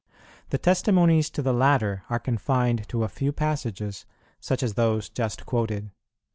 The testimonies to the latter are confined to a few passages such as those just quoted.